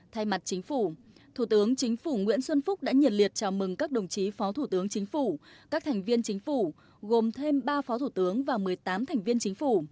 thay mặt chính phủ thủ tướng chính phủ nguyễn xuân phúc đã nhiệt liệt chào mừng các đồng chí phó thủ tướng chính phủ các thành viên chính phủ gồm thêm ba phó thủ tướng và một mươi tám thành viên chính phủ